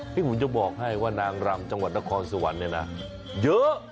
พี่หุ่นจะบอกให้ว่านางรำจังหวัดนครสวรรค์เยอะ